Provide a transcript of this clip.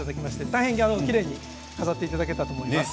大変きれいに飾っていただけたと思います。